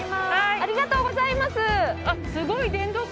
ありがとうございます。